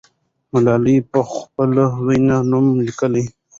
ملالۍ پخپلو وینو نوم لیکي.